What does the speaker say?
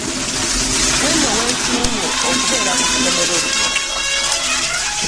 Gweno wesiimye okubeera ku ssomero lino.